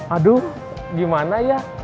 aduh gimana ya